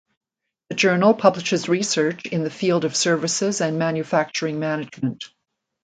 The journal publishes research in the field of services and manufacturing management.